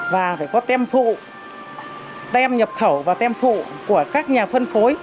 và phải có tem phụ tem nhập khẩu và tem phụ của các nhà phân phối